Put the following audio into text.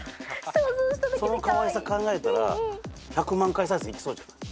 そのかわいさ考えたら１００万回再生いきそうじゃない？